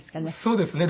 そうですね。